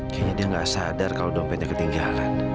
kayaknya dia nggak sadar kalau dompetnya ketinggalan